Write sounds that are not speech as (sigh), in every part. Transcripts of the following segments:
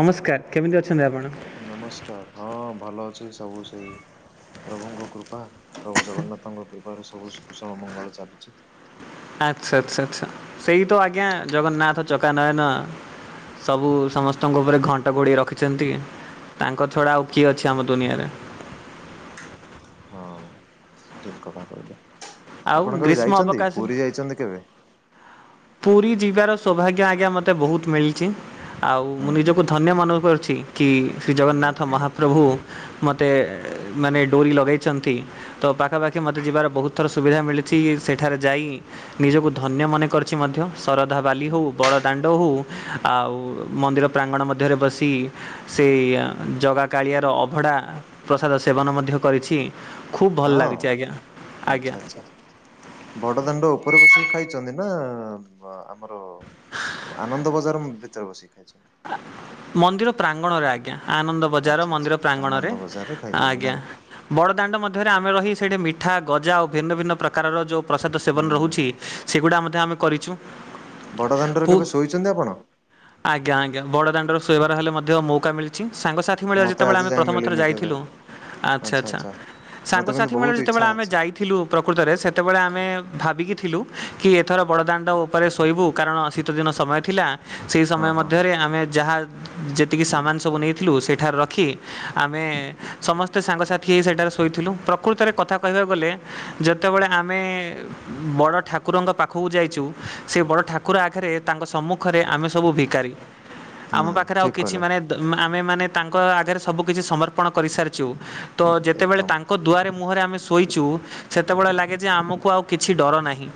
ନମସ୍କାର କେମିତି ଅଛନ୍ତି ଆପଣ? ନମସ୍କାର ହଁ ଭଲ ଅଛି ସବୁ ସେଇ ପ୍ରଭୁଙ୍କ କୃପା। ପ୍ରଭୁ ଜଗନ୍ନାଥଙ୍କ କୃପାରୁ ସବୁ କୁଶଳ ମଙ୍ଗଳ ଚାଲିଛି। ଆଚ୍ଛା ଆଚ୍ଛା ଆଚ୍ଛା ସେଇ ତ ଆଜ୍ଞା ଜଗନ୍ନାଥ ଚକା ନୟନ। ସବୁ ସମସ୍ତଙ୍କ ଉପରେ ଘଣ୍ଟ ଘୋଡେ଼ଇ ରଖିଛନ୍ତି। ତାଙ୍କ ଛଡ଼ା ଆଉ କିଏ ଅଛି ଆମ ଦୁନିଆରେ। ହଁ ଠିକ୍ କଥା କହିଲେ ଆଉ ଆପଣ କେବେ ଗ୍ରୀଷ୍ମ ଯାଇଛନ୍ତି ଅବକାଶରେ ପୁରୀ ଯାଇଛନ୍ତି କେବେ? ପୁରୀ ଯିବାର ସୌଭାଗ୍ୟ ଆଜ୍ଞା ମୋତେ ବହୁତ୍ ମିଳିଛି ଆଉ ମୁଁ ହୁଁ ହୁଁ ନିଜକୁ ଧନ୍ୟ ମନେ କରୁଛି। କି ଶ୍ରୀ ଜଗନ୍ନାଥ ନିହାତି ନିହାତି ମହାପ୍ରଭୁ ମୋତେ ମାନେ ଡୋରି ଲଗାଇଛନ୍ତି। ତ ପାଖାପାଖି ମତେ ଯିବାର ବହୁତ୍ ଥର ସୁବିଧା ମିଳିଛି ସେଠାରେ ଯାଇ ନିଜକୁ ଧନ୍ୟ ମନେ କରି ମଧ୍ୟ ଶରଧା ବାଲି ହୁଁ ହୋଉ ହୁଁ ବଡ଼ ଦା ରହୁ ଆଉ ମନ୍ଦିର ପ୍ରାଙ୍ଗଣ ମଧ୍ୟରେ ବସି ସେଇ ଜଗା କାଳିଆର ଅଭଡ଼ା ପ୍ରସାଦ ସେବନ ମଧ୍ୟ କରିଛି। ଖୁବ୍ ଭଲ ହଁ ଲାଗୁଛି ଆଜ୍ଞା ଆଜ୍ଞା। ବଡ଼ ଦାଣ୍ଡ ଉପରେ ବସିକି ଖାଇଛନ୍ତି ନା ଆମର ଆନନ୍ଦ ବଜାର ଭିତରେ ବସିକି ଖାଇ ମନ୍ଦିର ପ୍ରାଙ୍ଗଣରେ ଆଜ୍ଞା ଆନନ୍ଦ ବଜାର ଆଚ୍ଛା ଆଚ୍ଛା ମନ୍ଦିର ପ୍ରାଙ୍ଗଣରେ ଆନନ୍ଦ ବଜାରରେ ଖାଇଛନ୍ତି ଆଜ୍ଞା। ନାଇଁ କି? ବଡ଼ଦାଣ୍ଡ ମଧ୍ୟରେ ଆମେ ରହି ସେଇଠି ମିଠା ଗଜା ଓ ଭିନ୍ନ ଭିନ୍ନ ପ୍ରକାରର ଯେଉଁ ପ୍ରସାଦ ହୁଁ ସେବନ ରହୁଛି। ସେଗୁଡ଼ା ମଧ୍ୟ ଆମେ କରିଛୁ। ବଡ଼ଦାଣ୍ଡର ପୁ କେବେ ଶୋଇଛନ୍ତି ଆପଣ? ଆଜ୍ଞା ଆଜ୍ଞା। ବଡ ଦାଣ୍ଡ ର ଶୋଇବାର ହେଲେ ମଧ୍ୟ ମୌକା ମିଳିଛି ସାଙ୍ଗସାଥି ସାଥି ମେଳରେ ମତେ ଯେତେବେଳେ ଆଜି ଆମେ ଯାଇ ପ୍ରଥମଥରେ ମିଳିନି କେବେ। ଯାଇଥିଲୁ ଆଚ୍ଛା ଆଚ୍ଛା। ମତେ କିନ୍ତୁ ସାଙ୍ଗସାଥି ମେଳରେ ବହୁତ ଇଚ୍ଛା ଯେତେବେଳେ ଆମେ ଅଛି ଯାଇଥିଲୁ ପ୍ରକୃତରେ ସେତେବେଳେ ଆମେ ଭାବିକି ଥିଲୁ, କି ଏଥର ବଡ଼ଦାଣ୍ଡ ଉପରେ ଶୋଇବୁ। କାରଣ ଶୀତ ଦିନ ସମୟ ଥିଲା ସେଇ ହଁ ସମୟ ମ ହଁ ରେ ଆମେ ଯାହା ଯେତିକି ସାମାନ ସବୁ ନେଇଥିଲୁ ସେଠାରେ ରଖି ଆମେ ସମସ୍ତେ ସାଙ୍ଗସାଥି ହେଇ ସେଠାରେ ଶୋଇଥିଲୁ। ପ୍ରକୃତରେ କଥା କହିବାକୁ ଗଲେ ଯେତେବେଳେ ଆମେ ବଡ଼ ଠାକୁରଙ୍କ ପାଖକୁ ଯାଇଛୁ, ସେ ବଡ଼ ଠାକୁର ଆଗରେ ତାଙ୍କ ସମ୍ମୁ ପାଖରେ ଆମେ ସବୁ ଭିକାରୀ। ହୁଁ ଆମ ପାଖରେ ଆଉ ଠିକ କିଛି କହିଲେ। ମାନେ ଆମେ ମାନେ ତାଙ୍କ ଆଗରେ ସବୁ କିଛି ସମର୍ ସମର୍ପଣ କରିସାରିଛୁ ତ ଯେତେବେଳେ ଏକଦମ ତାଙ୍କ ତାଙ୍କ ଦୁଆରେ ମୁହଁରେ ଆମେ ଶୋଇଛୁ ସେତେବେଳେ ଲାଗେ ଯେ ଆମକୁ ଆଉ କିଛି ଡର ନାହିଁ।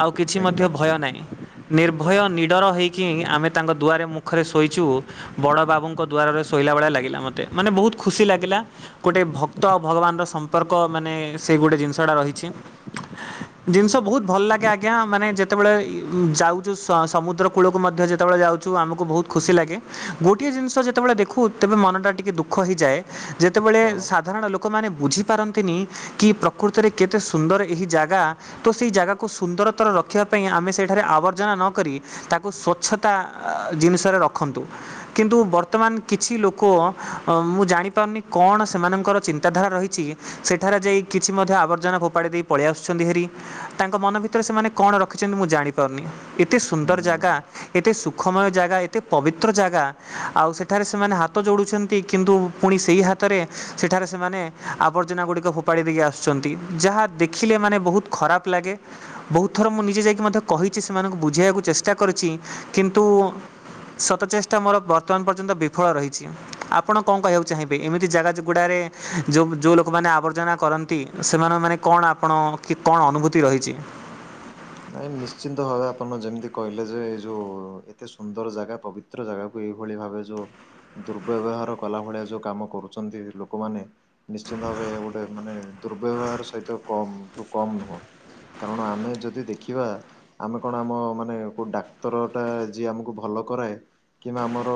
ଆଉ କିଛି ମଧ୍ୟ ଏକଦମ ଭୟ ଠିକ ନାହିଁ। ଠିକ ନିର୍ଭୟ କଥା ନିଡ଼ର ହୋଇକି ଆମେ ତାଙ୍କ ଦୁଆରେ ମୁ ମୁଖରେ ଶୋଇଛୁ ବଡ ବାବୁଙ୍କ ଦ୍ୱାରରେ ଶୋଇଲା ଭଳିଆ ଲାଗିଲା ମତେ। ମାନେ ବହୁତ ଖୁସି ଲାଗିଲା। ଗୋଟେ ଭକ୍ତ ଆଉ ଭଗବାନର ସମ୍ପର୍କ ମାନେ ସେଇ ଗୋଟେ ଜିନିଷଟା ରହିଛି। ହୁଁ ଜିନିଷ ହୁଁ ବହୁତ ଭଲ ଲାଗେ ଆଜ୍ଞା। ମାନେ ଯେତେବେଳେ ଯାଉଛୁ ସ ସମୁଦ୍ର କୂଳକୁ ମଧ୍ୟ ଯେତେବେଳେ ଯାଉଛୁ ଆମକୁ ବହୁତ ଖୁସି ଲାଗେ, ଗୋଟିଏ ଜିନିଷ ଯେତେବେଳେ ଦେଖୁ ତେବେ ମନଟା ଟିକିଏ ଦୁଃଖ ହେଇଯାଏ ଯେତେବେଳେ କଣ ସାଧାରଣ ଲୋକମାନେ ବୁଝି ପାରନ୍ତିନି। କି ପ୍ରକୃତରେ କେତେ ସୁନ୍ଦର ଏହି ଜାଗା। ତ ସେହି ଜାଗାକୁ ସୁନ୍ଦରତର ରଖିବା ପାଇଁ ଆମେ ସେଠାରେ ଆବର୍ଜନା ନ କରି ତାକୁ ସ୍ଵଚ୍ଛତା ଜିନିଷରେ ରଖନ୍ତୁ। କିନ୍ତୁ ବର୍ତ୍ତମାନ କିଛି ଲୋକ, ମୁଁ ଜାଣିପାରୁନି କଣ ସେମାନଙ୍କର ଚିନ୍ତାଧାରା ରହିଛି। ସେଠାରେ ଯାଇ କିଛି ମଧ୍ୟ ଆବର୍ଜନା ଫୋପାଡ଼ି ଦେଇ ପଳେଇ ଆସୁଛନ୍ତି ହେରି। ତାଙ୍କ ମନ ଭିତରେ ସେମାନେ କଣ ରଖିଛନ୍ତି ମୁଁ ଜାଣି ପାରୁନି ଏତେ ସୁନ୍ଦର ହୁଁ। ଜାଗା ଏତେ ସୁ ସୁଖମୟ ଜାଗା, ଏତେ ପବିତ୍ର ଜାଗା ଆଉ ସେଠାରେ ସେମାନେ ହାତ ଯୋଡୁଛନ୍ତି କିନ୍ତୁ ପୁଣି ସେଇ ହାତ ହାତରେ ସେଠାରେ ସେମାନେ ଆବର୍ଜନା ଗୁଡିକ ଫୋପାଡ଼ି ଦେଇକି ଆସୁଛନ୍ତି। ଯାହା ଦେଖିଲେ ମାନେ ବହୁତ ଖରାପ ଲାଗେ। ବହୁତ ଥର ମୁଁ ନିଜେ ଯାଇକି ମଧ୍ୟ କହିଛି ସେମାନଙ୍କୁ ବୁଝେଇକୁ ଚେଷ୍ଟା କରିଛି। କିନ୍ କିନ୍ତୁ ସତଚେଷ୍ଟା ମୋର ବର୍ତ୍ତମାନ ପର୍ଯ୍ୟନ୍ତ ବିଫଳ ରହିଛି। ଆପଣ କଣ କହିବାକୁ ଚାହିଁବେ, ଏମିତି ଜାଗାଗୁଡ଼ାରେ ଯେଉଁ ଯେଉଁ ଲୋକମାନେ ଆବର୍ଜନା କରନ୍ତି ସେମାନଙ୍କ ମାନେ କଣ ଆପଣ କି କଣ ଅନୁଭୂତି ରହିଛି? ନାଇଁ ନିଶ୍ଚିନ୍ତ ଭାବେ ଆପଣ ଯେମିତି କହିଲେ ଯେ ଏଇ ଯୋଉ ଏତେ ସୁନ୍ଦର ଜାଗା ପବି ପବିଚ୍ର ଜାଗାକୁ ଏଇଭଳି ଭାବେ ଯୋଉ ଦୁର୍ବ୍ୟବହାର କଲା ଭଳିଆ ଯୋଉ କାମ କରୁଛନ୍ତି ଏବେ ଲୋକମାନେ ନିଶ୍ଚିନ୍ତ ଭାବେ ଏହା ଗୋଟେ ମାନେ ଦୁର୍ବ୍ୟବହାର ସହିତ କମ୍ କମ ନୁହଁ। କାରଣ ଆମେ ଯଦି ଯଦି ଦେଖିବା ଆମେ କଣ ଆମ ମାନେ କୋଉ ଡାକ୍ତର ଟା ଯିଏ ଆମକୁ ଭଲ କରାଏ। କିମ୍ବା ଆମର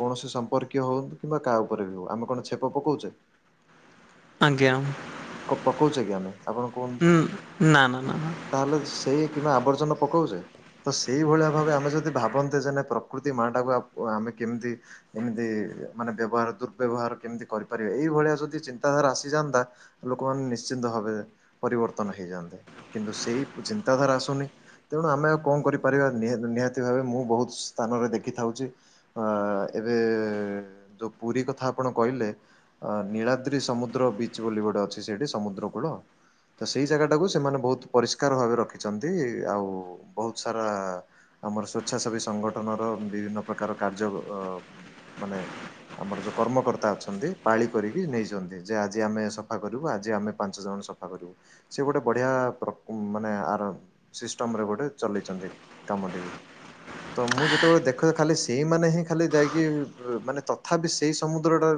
କୌଣସି ସମ୍ପର୍କୀୟ ହଉନ୍ତୁ କିମ୍ବା କାହା ଉପରେ ବି ହଉ ଆମେ କଣ ଛେପ ପକଉଛେ। ଆଜ୍ଞା। ପ ପକଉଛେ କି ଆମେ ଆପଣ କୁହନ୍ତୁ ତ! ଉଁ ନା ନା ନା। ତାହେଲେ ସେଇ କିମ୍ବା ଆବର୍ଜନା ପକଉଛେ। ତ ସେଇଭଳିଆ ଭାବେ ଆମେ ଯଦି ଭାବନ୍ତେ ଯେ ନାଇଁ ପ୍ରକୃତି ମାଟାକୁ ଆମେ କେମିତି ଏମିତି ମାନେ ବ୍ୟବହାର ଦୁର୍ବ୍ୟବହାର କେମିତି କରିପାରିବେ ଏଇଭଳିଆ ଯଦି ଚିନ୍ତାଧାରା ଆସିଯାଆନ୍ତା। ଲୋକମାନେ ନିଶ୍ଚିନ୍ତ ଭାବେ ପରିବର୍ତ୍ତନ ହେଇଯାଆନ୍ତେ କିନ୍ତୁ ସେଇ ଚିନ୍ତାଧାରା ଆସୁନି। ତେଣୁ ଆମେ ଆଉ କଣ କରିପାରିବା ନିହାତି ନିହାତି ଭାବେ ମୁଁ ବହୁତ ସ୍ଥାନରେ ଦେଖିଥାଉଛି। ଅ ଏବେ ଯୋଉ ପୁରୀ କଥା ଆପଣ କହିଲେ। ଅ ନୀଳାଦ୍ରି ସମୁଦ୍ର ବିଚ୍ ବୋଲି ଗୋଟେ ଅଛି, ସେଇଠି ସମୁଦ୍ର କୂଳ। ତ ସେଇ ଜାଗାଟାକୁ ସେମାନେ ବହୁତ୍ ପରିଷ୍କାର ଭାବେ ରଖିଛନ୍ତି, ଆଉ ବହୁତ୍ ସାରା ଆମର ସ୍ଵେଚ୍ଛାସେବୀ ସଂଗଠନର ବିଭିନ୍ନ ପ୍ରକାର କାର୍ଯ୍ୟ ଅ-ଅଁ ମାନେ ଆମର ଯୋଉ କର୍ମକର୍ତ୍ତା ଅଛନ୍ତି ପାଳି କରିକି ନେଇଛନ୍ତି ଯେ ଆଜି ଆମେ ସଫା କରିବୁ ଆଜି ଆମେ ପାଞ୍ଚ ଜଣ ସଫା କରିବୁ, ସେ ଗୋଟେ ବଢ଼ିଆ ମାନେ ଆର ସିଷ୍ଟମ୍ ରେ ଗୋଟେ ଚଲିଇଚନ୍ତି କାମଟିକୁ। ତ ମୁଁ ଯେତେବେଳେ ଦେଖେ ଖାଲି ସେଇମାନେ ହିଁ ଖାଲି ଯାଇକି ମାନେ ତଥାପି ସେଇ ସମୁଦ୍ରଟା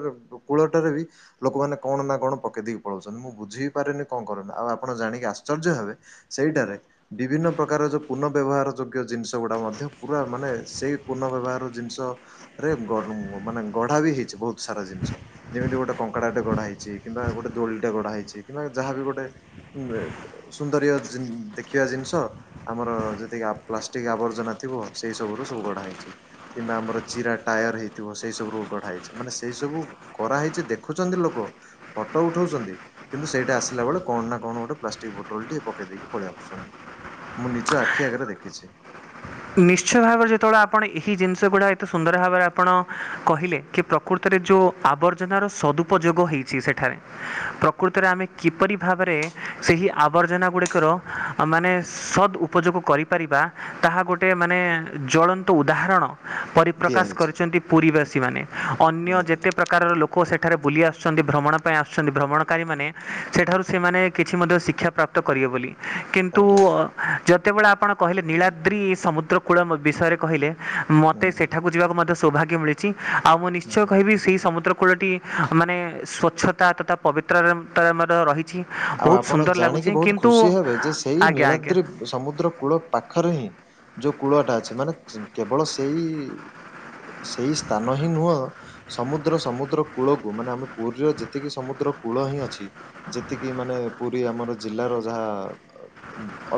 କୂଳଟାରେ ବି ଲୋକମାନେ କଣ ନା କଣ ପକେଇଦ୍ ପଳୋଉନ୍ତି, ମୁଁ ବୁଝି ପାରୁନି କଣ କରୁବି ଆଉ ଆପଣ ଜାଣିକି ଆଶ୍ଚର୍ଯ୍ୟ ହେବେ ସେଇଟାରେ ବିଭିନ୍ନ ପ୍ରକାର ଯଉ ପୁନ୍ନ ବ୍ୟବହାର ଯୋଗ୍ୟ ଜିନିଷ ଗୁଡା ମଧ୍ୟ ପୁରା ମାନେ ସେଇ ପୁନ୍ନ ବ୍ୟବହାର ଜିନିଷ। ରେ ଗଢା ମାନେ ଗଢା ବି ହେଇଛି ବହୁତ୍ ସାରା ଜିନିଷ। ଯେମିତି ଗୋଟେ କଙ୍କଡ଼ାଟେ ଗଡା ହେଇଛି କିମ୍ବା ଗୋଟେ ଦୋଳିଟା ଗଢା ହେଇଛି କିମ୍ବା ଯାହା ବି ଗୋଟେ ସୁନ୍ଦରୀୟ ଦେଖିବା ଜିନିଷ। ଆମର ଯେତିକି ପ୍ଲାଷ୍ଟିକ୍ ଆବର୍ଜନା ଥିବ ସେଇ ସବୁ ରୁ ସବୁ ଗଡା ହେଇଛି। କିମ୍ବା ଆମର ଚିରା ଟାୟାର ହେଇଥିବ ସେଇ ସବୁ ରୁ ଗଢ଼ା ହେଇଛି ମାନେ ସେଇ ସବୁ କରାହେଇଛି ଦେଖୁଛନ୍ତି ଲୋକ। ଫଟୋ ଉଠାଉଛନ୍ତି କିନ୍ତୁ ସେଇଟା ଆସିଲା ବେଳେ କଣ ନା କଣ ଗୋଟେ ପ୍ଲାଷ୍ଟିକ୍ ବୋଟଲ୍ ଟିକେ ପକେଇ ଦେଇକି ପଳେଇ ଆସୁଛନ୍ତି। ମୁଁ ନିଜ ଆଖି ଆଗରେ ଦେଖିଛି। ନିଶ୍ଚୟ ଭାବରେ ଯେତେବେଳେ ଆପଣ ଏହି ଜିନିଷ ଗୁଡ଼ା ଏତେ ସୁନ୍ଦର ଭାବରେ ଆପଣ କହିଲେ କି ପ୍ରକୃତରେ ଯୋଉଁ ଆବର୍ଜନାର ସଦୁପଯୋଗ ହେଇଛି ସେଠାରେ ପ୍ରକୃତରେ ଆମେ କିପରି ଭାବରେ ସେହି ଆବର୍ଜନା ଗୁଡିକର ମାନେ ସଦ୍ ଉପଯୋଗ କରିପାରିବା ତାହା ଗୋଟ୍ ଗୋଟେ ମାନେ ଜଳତ୍ବନ୍ତ ଉଦାହରଣ ଦିଆ ପରିପ୍ରକାଶ ହେଇଛି କରିଛନ୍ତି ପୁରୀବାସୀମାନେ। ଅନ୍ୟ ନିହାତି ଯେତେ ପ୍ରକ ପ୍ରକାରର ଲୋକ ସେଠାରେ ବୁଲି ଆସୁଛନ୍ତି ଭ୍ରମଣ ପାଇଁ ଆସୁଛନ୍ତି ଭ୍ରମଣକାରୀମାନେ ସେଠାରୁ ସେମାନେ କିଛି ମଧ୍ୟ ଶିକ୍ଷା ପ୍ରାପ୍ ତ କରିବେ ବୋଲି। କିନ୍ତୁ ଆଜ୍ଞା ଯେତେବେଳେ ଆପଣ କହିଲେ ନୀଳାଦ୍ରି ସମୁଦ୍ର କୂଳ ବିଷୟରେ କହିଲେ। ହୁଁ ମତେ ହୁଁ ସେଠାକୁ ଯିବାକୁ ମଧ୍ୟ ସୌଭାଗ୍ୟ ମିଳିଛି, ଆଉ ମୁଁ ନିଶ୍ଚୟ ହୁଁ। କହିବି ସେଇ ସମୁଦ୍ର କୂଳଟି। ମାନେ ସ୍ଵଚ୍ଛତା ତଥା ପବିତ୍ର ମ-ମାନେ ରହି ଆଉ ଆପଣ ଜାଣିକି ବହୁତ୍ ଖୁସି ହେବେ ଯେ ସେଇ ଆଜ୍ଞା ଆଜ୍ଞା ନୀଳାଦ୍ରି। ସମୁଦ୍ର କୂଳ ପାଖରେ ହିଁ ଯୋଉ କୂଳଟା ଅଛି ମାନେ କେବଳ ସେଇ ସେଇ ସ୍ଥାନ ହିଁ ନୁହଁ। ସମୁଦ୍ର ସମୁଦ୍ର କୂଳକୁ ମାନେ ଆମେ ପୁରୀର ଯେତିକି ସମୁଦ୍ର କୂଳ ହିଁ ଅଛି। ଯେତିକି ମାନେ ପୁରୀ ଆମର ଜିଲ୍ଲାର ଯାହା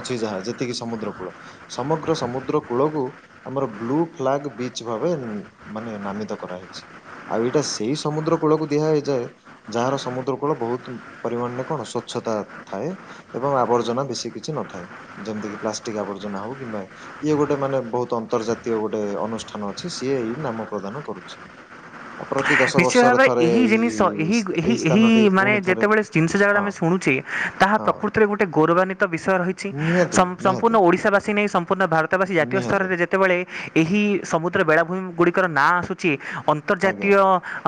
ଅଛି ଯାହା ଯେତିକି ସମୁଦ୍ର କୂଳ। ସମଗ୍ର ସମୁଦ୍ର କୂଳକୁ। ଆମର ବ୍ଲୁ ଫ୍ଲାଗ୍ ବିଚ୍ ଭାବେ ମାନେ ନାମିତ କରାହେଇଛି। ଆଉ ଏଇଟା ସେଇ ସମୁଦ୍ର କୂଳକୁ ଦିଆ ହେଇଯାଏ। ଯାହାର ସମୁଦ୍ର କୂଳ ବହୁତ୍ ପରିମାଣରେ। କଣ ସ୍ଵଚ୍ଛତା ଥାଏ। ଏବଂ ଆବର୍ଜନା ବେଶୀ କିଛି ନଥାଏ, ଯେମିତି କି ପ୍ଲାଷ୍ଟିକ ଆବର୍ଜନା ହଉ କିମ୍ବା। ଇଏ ଗୋଟେ ମାନେ ବହୁତ୍ ଅନ୍ତର୍ଜାତୀୟ ଗୋଟେ ଅନୁଷ୍ଠାନ ଅଛି ସିଏ ଏହି ନାମ ପ୍ରଦାନ କରୁଛି। ଆ ପ୍ରତି ଦଶ ନିଶ୍ଚୟ ବର୍ଷରେ ଭାବରେ ଥରେ ଏହି ଏଇ ଜିନିଷ ଏଇ ଏହି ଏହି ଏହି ସ୍ଥାନଟି ମାନେ ପୁଣି ଥରେ। ଯେତେବେଳେ ଜିନିଷ ଯାଡା ହଁ ଆମେ ଶୁଣୁଚି ତାହା ହଁ ପ୍ରକୃତିରେ ଗୋଟେ ଗୌରବାନ୍ୱିତ ବିଷୟ ରହିଛି ନିହାତି ସମ୍ ସମ୍ପୂର୍ଣ ନିହାତି ଓଶାବାସୀ ନେଇ ସମ୍ପୂର୍ଣ ଭାର ଅନ୍ତବାସୀ ଜାତୀୟ ନିହାତି ସ୍ତରରେ ଯେତେବେଳେ ଏହି ସମୁଦ୍ର ବେଳାଭୂମି ଗୁଡ଼ିକର ନାଁ ଆସୁଛି, ଅନ୍ତ ଆଜ୍ଞା ଅନ୍ତର୍ଜାତୀୟ।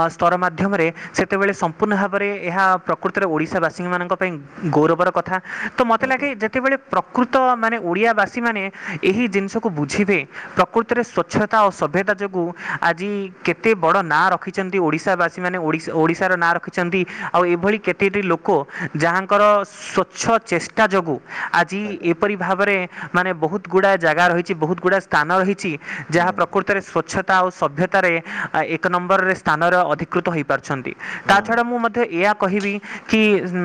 ଅ ସ୍ତର ମାଧ୍ୟମରେ ସେତେବେଳେ ସମ୍ପୂର୍ଣ ଭାବେରେ ଏହା ପ୍ରକୃତରେ ଓଡିଶା ବାସୀ ମାନଙ୍କ ପାଇଁ ଗୌରବର କଥା ତ ମତେ ଆଜ୍ଞା ଲାଗେ ଯେତେବେଳେ ପ୍ରକୃତ ମାନେ ଓଡ଼ିଆବାସୀ ମାନେ ଏହି ଜିନିଷକୁ ବୁଝିବେ ପ୍ରକୃତରେ ସ୍ଵଛ ତା ସଭ୍ୟତା ଯୋଗୁ ଆଜି କେତେ ବଡ ନାଁ ରଖି ଯେମତି ଓଡ଼ିଶା ବାସୀମାନେ ଓଡିଶ ଓଡିଶାର ନାଁ ରଖିଚନ୍ତି ଆଉ ଏଭଳି କେତେଟି ଲୋକ ଯାହାଙ୍କର ସ ସ୍ଵଚ୍ଛ ଚେଷ୍ଟା ଯୋଗୁ ଆଜି ଆଜ୍ଞା ଏପରି ଭାବରେ ମାନେ ବହୁତ ଗୁଡା ଜାଗା ରହିଚି ବହୁତ ଗୁଡା ସ୍ଥାନ ରହିଛି ହୁଁ ଯାହା ପ୍ରକୃତରେ ସ୍ୱଚ୍ଛ ତା ଆଉ ସଭ୍ୟତାରେ ଆ ଏକ ନମ୍ବରରେ ସ୍ ସ୍ଥାନରେ ଅଧିକୃତ ହେଇପାରୁଛନ୍ତି ତା ହୁଁ ଛଡ଼ା ମୁଁ ମଧ୍ୟ ଏୟା କହିବି। କି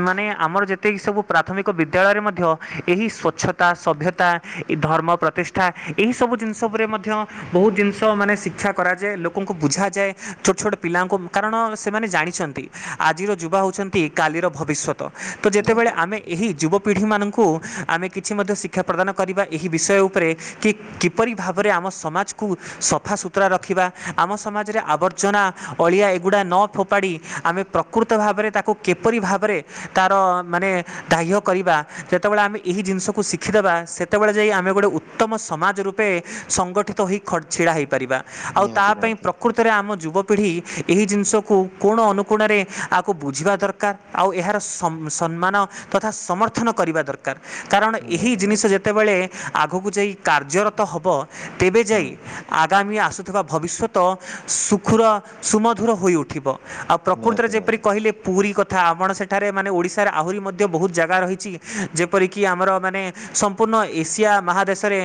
ମାନେ ଆମର ଯେତକି ସବୁ ପ୍ରାଥମିକ ବିଦ୍ୟାଳୟରେ ମଧ୍ୟ ଏହି ସ୍ୱଚ୍ଛ ତା ସଭ୍ୟତା ଇ ଧର୍ମ ପ୍ରତିଷ୍ଠା ଏହିସବୁ ଜିନିଷ ଉପରେ ମଧ୍ୟ। ବହୁତ ଜିନିଷ ମାନେ ଶିକ୍ଷା କରାଯାଏ ଲୋକଙ୍କୁ ବୁଝାଯାଏ। ଛୋଟ ଛୋଟ ପିଲାଙ୍କୁ କାରଣ ସେମାନେ ଜାଣିଛନ୍ତି ଆଜିର ଯୁବା ହଉଛନ୍ତି କାଲିର ଭବିଷ ତ ଯେତେବେଳେ ନିହାତି ଆମେ ଏହି ଯୁବପିଢ଼ିମାନଙ୍କୁ ଆମେ କିଛି ମଧ୍ୟ ଶିକ୍ଷା ପ୍ରଦାନ କରିବା ଏହି ବିଷୟ ଉପରେ। କି କିପରି ଭାବରେ ଆମ ସମାଜକୁ ସଫାସୁତୁରା ରଖିବା ଆମ ସମାଜରେ ଆବର୍ତ ଚଣା ଅଳିଆ ଏଗୁଡ଼ା ନ ଫୋପାଡ଼ି ଆମେ ପ୍ରକୃତ ଭାବରେ ତା କୁ କିପରି ଭାବରେ ତାର ମାନେ ଦାହ୍ୟ କରିବା, ଯେତେବେଳେ ଆମେ ଏହି ଜିନିଷକୁ ଶିଖିଦବା ସେ ସେତେବେଳେ ଯାଇ ଆମେ ଗୋଟେ ଉତ୍ତମ ସମାଜ ରୂପେ ସଂଗଠିତ ହୋଇ ଖ ଛିଡ଼ା ହେଇପାରିବା। ଆଉ ତା ନିହାତି ପାଇଁ ନିହାତି ପ୍ରକୃତରେ ଆମ ଯୁବପିଢ଼ି ଏହି ଜିନିଷକୁ କୋଣ ଅନୁକୋଣରେ ଆକୁ ବୁଝିବା ଦରକାର। ଆଉ ଏହାର ସମ୍ ସନମ୍ମାନ ତଥା ସମର୍ଥନ କରିବା ଦର କାର କାରଣ ଏହି ନିହାତି ଜିନିଷ ନିହାତି ଯେତେବେଳେ ଆଗକୁ ଯାଇ କାର୍ଯ୍ୟରତ ହବ। ତେବେ ହୁଁ ଯାଇ ଆଗାମୀ ଆସୁଥିବା ଭବିଷ୍ୟତ ସୁ ଖୁର ସୁମଧୁର ହୋଇଉଠିବ ଆଉ ପ୍ରକୃତରେ ନିହାତି ଯେପରି ନିହାତି କହିଲି ପୁରୀ କଥା ଆପଣ ସେଠାରେ ମାନେ ଓଡ଼ିଶାରେ ଆହୁରି ମଧ୍ୟ ବହୁତ ଜାଗା ରହିଚି ଯେପରିକି ଆମର ମାନେ ସମ୍ପୂର୍ଣ୍ଣ ଏସିଆ ମହାଦେଶରେ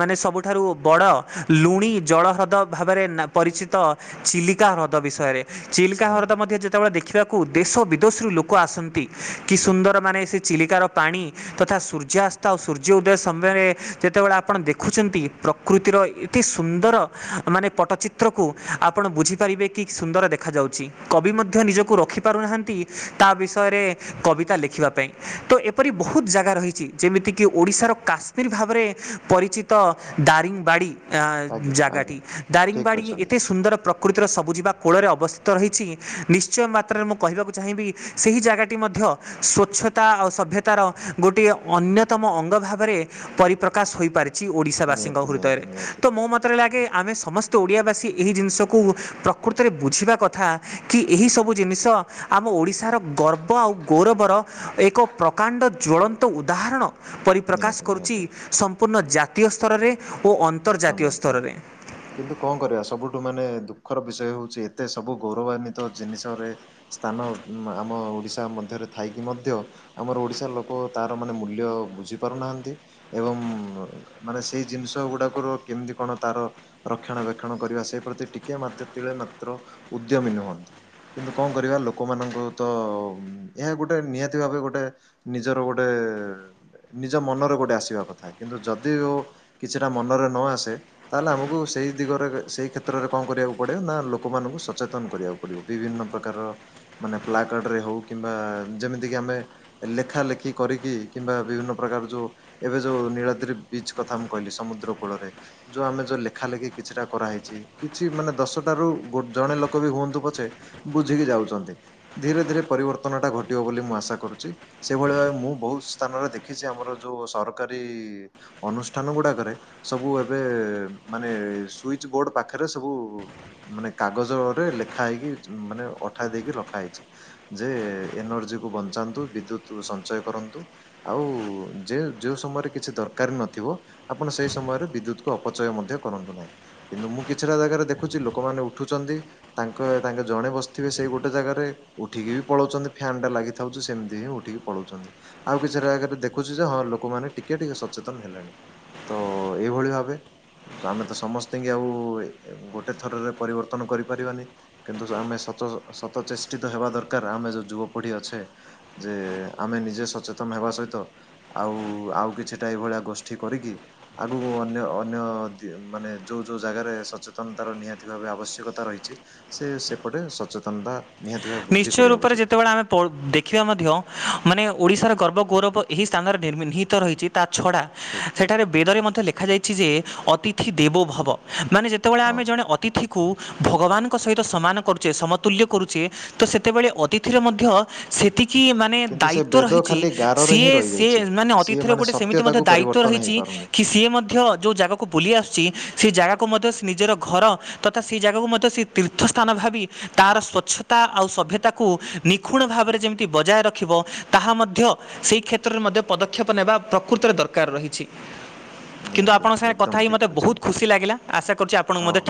ମାନେ ସବୁଠାରୁ ବଡ଼ ଲୁଣି ଜଳ ହ୍ରଦ। ଭାବରେ ନା ପରିଚିତ ଚିଲିକା ହ୍ରଦ ବିଷୟରେ ଚିଲିକା ହ୍ରଦ ହୁଁ ମଧ୍ୟ ଯେତେବେଳେ ଦେଖିବା କୁ ଦେଶ ବିଦେଶରୁ ଲୋକ ଆସନ୍ତି କି ସୁନ୍ଦର ମାନେ ସେ ଚିଲିକାର ପାଣି। ତଥା ସୂର୍ଯ୍ୟାସ୍ତ ଆଉ ସୂର୍ଯ୍ୟ ଉଦୟ ସମୟରେ ଯେତେବେଳେ ଆପ ଆପଣ ଦେଖୁଚନ୍ତି ପ୍ରକୃତିର ଏତେ ସୁନ୍ଦର ମାନେ ପଟ୍ଟଚିତ୍ରକୁ ଆପଣ ବୁଝିପାରିବେ କି ସୁନ୍ଦର ଦେଖାଯାଉଚି କବି ମଧ୍ୟ ନିଜକୁ ରଖିପାରୁନାହାନ୍ତି। ତା ବିଷୟରେ କବିତା ଲେଖିବା ପାଇଁ ତ ଏପରି ବହୁତ ଜାଗା ରହିଚି ଯେମିତିକି ଓଡ଼ିଶାର କାସ ରି ଭାବରେ ପରିଚିତ ଦାରିଙ୍ଗବାଡ଼ି ଆଁ ଆଜ୍ଞା ଜାଗାଟି ଆଜ୍ଞା ଠିକ୍ ଦାରିଙ୍ଗବାଡଡି ଏ କହିଛନ୍ତି ସୁନ୍ଦର ପ୍ରକୃତିର ସବୁଜିବା କୋଳରେ ଅବସ୍ଥିତ ରହିଛି ନିଶ୍ଚୟ ମାତ୍ରାରେ ମୁଁ କହିବାକୁ ଚାହିଁବି ସେହି ଜାଗାଟି ମଧ୍ୟ ସ୍ୱଛତା ଆଉ ସଭ୍ୟତାର ଗୋଟିଏ ଅନ୍ୟତମ ଅଙ୍ଗ ଭାବେରେ ପରିପ୍ରକାଶ ହୋଇପାରିଚି ଓଡ଼ିଶାବାସୀଙ୍କ ନିହାତି ନିହାତି ହୃଦୟରେ ନିହାତି ତ ମୋ ମତରେ ଲାଗେ ଆମେ ସମସ୍ତେ ଓଡ଼ିଆବାସୀ ଏହି ଜିନିଷକୁ ପ୍ରକୃତରେ ବୁଝିବା କଥା କି ଏହିସବୁ ଜିନିଷ ଆମ ଓଡ଼ିଶାର ଗର୍ବ ଆଉ ଗୌରବର ଏକ ପ୍ରକାଣ୍ଡ ଜଳନ୍ତ ଉଦାହରଣ ପରିପ୍ରକାଶ ନିହାତି କରୁଛି ନିହାତି ସଂ ପୂର୍ଣ୍ଣ ଜାତୀୟ ସ୍ତରରେ। ଓ ଏକଦମ୍, ଅନ୍ତର୍ଜାତୀୟ ଏକଦମ୍। ସ୍ତରରେ କିନ୍ତୁ କଣ କରିବା ସବୁଠୁ ମାନେ ଦୁଃଖର ବିଷୟ ହଉଛି ଏତେ ସବୁ ଗୌରବାନ୍ୱିତ ଜିନିଷରେ ସ୍ଥାନ ଆମ ଓଡିଶା ମଧ୍ୟରେ ଥାଇକି ମଧ୍ୟ ଆମର ଓଡିଶାର ଲୋକ ତାର ମାନେ ମୂଲ୍ୟ ବୁଝି ପାରୁନାହାନ୍ତି। ଏବଂ ମାନେ ସେଇ ଜିନିଷ ଗୁଡ଼ାକର କେମିତି କଣ ତାର ରକ୍ଷଣ ବେକ୍ଷଣ କରିବା ସେଇ ପ୍ରତି ଟିକେ ମାତେ ତିଳେ ମାତ୍ର ଉଦ୍ୟମୀ ନୁହନ୍ତି। କିନ୍ତୁ କଣ କରିବା ଲୋକମାନଙ୍କୁ ତ ଏହା ଗୋଟେ ନିହାତି ଭାବେ ଗୋଟେ ନିଜର ଗୋଟେ ନିଜ ମନରେ ଗୋଟେ ଆସିବା କଥା କିନ୍ତୁ ଯଦି ଓ କିଛିଟା ମନରେ ନ ଆସେ ତାହେଲେ ଆମକୁ ସେଇ ଦିଗରେ ସେଇ କ୍ଷେତ୍ରରେ କଣ କରିବାକୁ ପଡ଼େ ନା ଲୋକମାନଙ୍କୁ ସଚେତନ କରିବାକୁ। ପଡ଼ିବ, ବିଭିନ୍ନ ପ୍ରକାର ମାନେ ପ୍ଲାକାର୍ଡରେ ହଉ କିମ୍ବା ଯେମିତିକି ଆମେ ଲେଖା ଲେଖି କରିକି କିମ୍ବା ବିଭିନ୍ନ ପ୍ରକାର ଯୋଉ ଏବେ ଯୋଉ ନୀଳାଦ୍ରି ବିଚ୍ କଥା ମୁଁ କହିଲି ସମୁଦ୍ର କୂଳରେ। ଯୋଉ ଆମେ ଯୋଉ ଲେଖା ଲେଖି କିଛିଟା କରାହେଇଛି କିଛି ମାନେ ଦଶଟାରୁ ଗୋଟ୍ ଜଣେ ଲୋକ ବି ହୁଅନ୍ତୁ ପଛେ ବୁଝିକି ଯାଉଛନ୍ତି, ଧୀରେ ଧୀରେ ପରିବର୍ତ୍ତନଟା ଘଟିବ ବୋଲି ମୁଁ ଆଶା କରୁଛି। ସେଇଭଳି ଭାବେ ମୁଁ ବହୁତ ସ୍ଥାନରେ ଦେଖିଛି ଆମର ଯୋଉ ସରକାରୀ ଅନୁଷ୍ଠାନ ଗୁଡାକରେ ସବୁ ଏବେ ମାନେ ସୁଇଚ୍ ବୋର୍ଡ ପାଖରେ ସବୁ ମାନେ କାଗଜରେ ଲେଖା ହେଇକି ମାନେ ଅଠା ଦେଇକି ରଖା ହେଇଛି। ଯେ ଏନର୍ଜିକୁୁ ବଞ୍ଚାନ୍ତୁ, ବିଦ୍ୟୁତ ସଞ୍ଚୟ କରନ୍ତୁ। ଆଉ ଯେ ଯୋଉ ସମୟରେ କିଛି ଦରକାର ନଥିବ ଆପଣ ସେଇ ସମୟରେ ବିଦ୍ୟୁତକୁ ଅପଚୟ ମଧ୍ୟ କରନ୍ତୁ ନାହିଁ, କିନ୍ତୁ ମୁଁ କିଛିଟା ଜାଗାରେ ଦେଖୁଛି ଲୋକମାନେ ଉଠୁଛନ୍ତି ତାଙ୍କ ତାଙ୍କେ ଜଣେ ବସିଥିବେ ସେଇ ଗୋଟେ ଜାଗାରେ ଉଠିକି ବି ପଳଉଛନ୍ତି ଫ୍ୟନ୍ ଟା ଲାଗି ଥାଉଛି ସେମିତି ହିଁ ଉଠିକି ପଳଉଛନ୍ତି, ଆଉ କିଛି ରାଗାରେ ଦେଖୁଛି ଯେ ହଁ ଲୋକମାନେ ଟିକେ ଟିକେ ସଚେତନ ହେଲେଣି। ଓ ଏଇଭଳି ଭାବେ। ଆମେ ତ ସମସ୍ତେଙ୍କି ଆଉ ଗୋଟେ ଥରରେ ପରିବର୍ତ୍ତନ କରିପାରିବାନି। କିନ୍ତୁ ଆମେ ସତ, ସତ ଚେଷ୍ଟିତ ହେବା ଦରକାର ଆମେ ଯୋଉ ଯୁବପିଢି ଅଛେ ଯେ ଆମେ ନିଜେ ସଚେତନ ହେବା ସହିତ ଆଉ ଆଉ କିଛିଟା ଏଇଭଳିଆ ଗୋଷ୍ଠୀ କରିକି ଆଗକୁ ଅନ୍ୟ ଅନ୍ୟ ଦି ମାନେ ଯୋଉ ଯୋଉ ଜାଗାରେ ସଚେତନତାର ନିହାତି ଭାବେ ଆବଶ୍ୟକତା ରହିଛି ସେ ସେପଟେ ସଚେତନତା ନିହାତି ଭାବେ ବୃଦ୍ଧି ନିଶ୍ଚୟ କରିବା ରୂପରେ ଉଚିତ ଯେତେବେଳେ ଆମେ ପ (inaudible) ଦେଖିବା ମଧ୍ୟ ମାନେ ଓଡ଼ିଶାର ଗର୍ବ ଗୌରବ ଏହି ସ୍ଥାନରେ ନିର୍ମି ନିର୍ହିତ ରହିଛି ତା ଛଡ଼ା ଠିକ ଠିକ ସେଠାରେ ବେଦରେ ମଧ୍ୟ ଲେଖାଯାଇଛି ଯେ ଅତିଥି ଦେବୋ ଭବ, ମାନେ ଯେ ତେବେଳେ ହଁ। ଆମେ ଜଣେ ଅତିଥିକୁ ଭଗବାନଙ୍କ ସହିତ ସମାନ କରୁଛେ ସମତୁଲ୍ୟ କରୁଛେ ତ ସେତେବେଳେ ଅତିଥିରେ ମଧ୍ୟ ସେତି କି ମାନେ କିନ୍ତୁ ସେ ଦାୟିତ୍ଵ ବେଦ ରହିଛି ଖାଲି ଗାରରେ ହିଁ ସିଏ ସିଏ ରହିଯାଇଛି। ମାନେ ସିଏ ଅତିଥିର ମାନେ ଗୋଟେ ସେମିତି ମଧ୍ୟ ସତ୍ୟତାକୁ ଦାୟିତ୍ଵ ପରିବର୍ତ୍ତନ ରହିଛି। ହେଇପାରୁନି। କି ସିଏ ମଧ୍ୟ ଯୋଉ ଜାଗାକୁ ବୁଲି ଆସୁଛି ସେ ଜାଗାକୁ ମଧ୍ୟ ସେ ନିଜର ଘର ତଥା ସେଇ ଜାଗାକୁ ମଧ୍ୟ ସେ ତୀର୍ଥ ସ୍ଥାନ ଭାବି ତାର ସ୍ଵଚ୍ଛ ତା ଆଉ ସଭ୍ୟତାକୁ ନିଖୁଣ ଭାବରେ ଯେମିତି ବଜାୟ ରଖିବ ତାହା ମଧ୍ୟ ସେଇ କ୍ଷେତ୍ରରେ ମଧ୍ୟ ପଦକ୍ଷେପ ନେବା ପ୍ରକୃତରେ ଦରକାର ରହିଛି। କିନ୍ତୁ ନିହାତି, ଆପଣଙ୍କ ସାଙ୍ଗରେ କଥା ଏକଦମ ହେଇକି ଠିକ ମତେ ବହୁତ କହିଛନ୍ତି। ଖୁସି ଲାଗିଲା, ଆଶା କରୁଛି ଆପଣଙ୍କୁ ହଁ, ମତେ ଠିକ୍